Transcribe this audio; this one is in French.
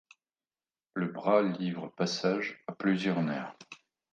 Le bras livre passage à plusieurs nerfs.